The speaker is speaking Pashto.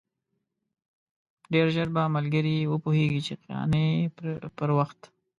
ډېر ژر به ملګري وپوهېږي چې قانع پر وخت.